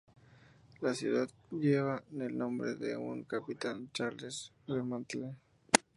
La ciudad lleva el nombre de un capitán: Charles Fremantle.